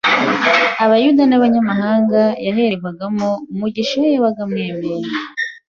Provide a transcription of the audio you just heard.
Abayuda n’Abanyamahanga, yahererwagamo umugisha iyo yabaga amwemeye